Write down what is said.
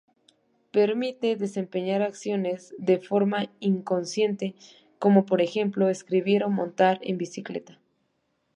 Permite desempeñar acciones de forma inconsciente, como por ejemplo, escribir, o montar en bicicleta.